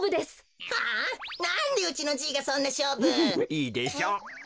いいでしょう。